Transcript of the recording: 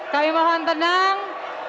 kami mohon tenang